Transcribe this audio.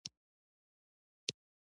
مسلمانان په خپلو زړو ابادیو کې پاتې دي.